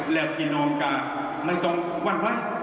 แล้วพี่น้องก็ไม่ต้องวั่นไว้